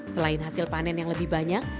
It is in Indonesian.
selain hasil panen yang lebih banyak